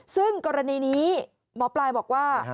ซึ่งกรณีนี้หมอปลายบอกว่า